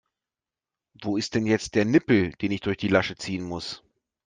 Wo ist denn jetzt der Nippel, den ich durch die Lasche ziehen muss?